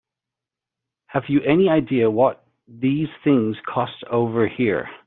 Have you any idea what these things cost over here?